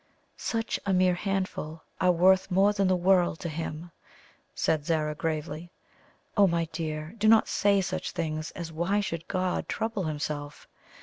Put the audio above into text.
"Such a mere handful are worth more than the world to him," said Zara gravely. "Oh, my dear, do not say such things as why should God trouble Himself?